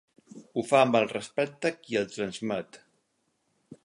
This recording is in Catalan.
Ho fa amb el respecte qui el transmet.